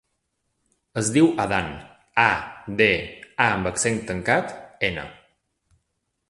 Es diu Adán: a, de, a amb accent tancat, ena.